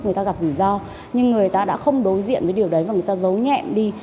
người ta gặp rủi ro nhưng người ta đã không đối diện với điều đấy và người ta giấu nhẹ đi